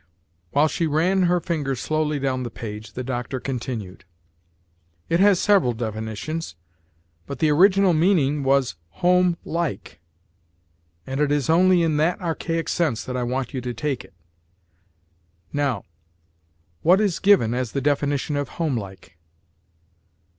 While she ran her finger slowly down the page, the doctor continued: "It has several definitions, but the original meaning was home_like_, and it is only in that archaic sense that I want you to take it. Now, what is given as the definition of homelike?"